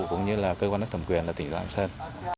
cũng như là cơ quan nước thẩm quyền là tỉnh lạng sơn